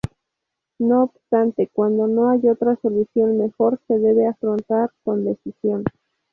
No obstante, cuando no hay otra solución mejor, se debe afrontar con decisión.